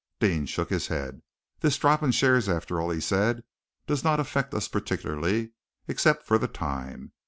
Deane shook his head. "This drop in shares, after all," he said, "does not affect us particularly, except for the time.